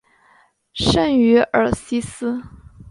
圣于尔西斯。